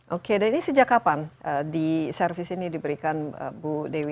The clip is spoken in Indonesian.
oke dan ini sejak kapan di servis ini diberikan bu dewi